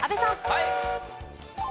はい。